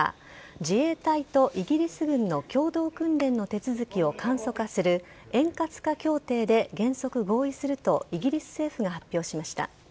自衛隊とイギリス軍の共同訓練の手続きを簡素化する円滑化協定で原則合意するとイギリス政府が発表しました。